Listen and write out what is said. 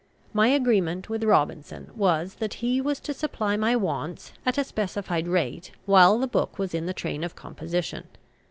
My agreement with Robinson was that he was to supply my wants at a specified rate while the book was in the train of composition.